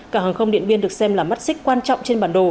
cảng hàng không điện biên được xem là mắt xích quan trọng trên bản đồ